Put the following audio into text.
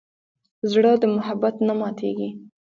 زړه د محبت نه ماتېږي.